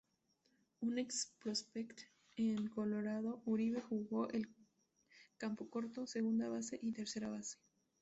Un ex prospect en Colorado, Uribe jugó el campocorto, segunda base y tercera base.